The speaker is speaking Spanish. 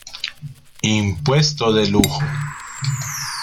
Impuesto de lujo.